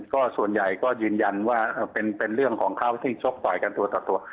ก็ส่วนใหญ่ก็ยืนยันว่าเป็นเรื่องของเขาที่ชกต่อยกันตัวต่อตัว